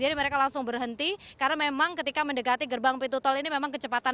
jadi mereka langsung berhenti karena memang ketika mendekati gerbang pitu tol ini memang kecepatan